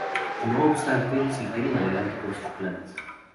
No obstante, siguieron adelante con sus planes.